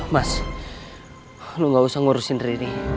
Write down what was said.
mas lu gak usah ngurusin riri